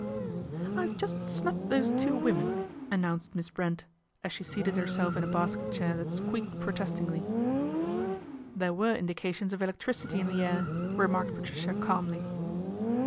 " I've just snubbed those two women/' an nounced Miss Brent, as she seated herself in a basket chair that squeaked protestingly. ' There were indications of electricity in the air," remarked Patricia calmly.